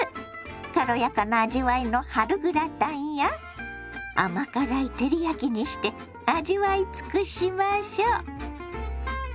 軽やかな味わいの春グラタンや甘辛い照り焼きにして味わい尽くしましょ。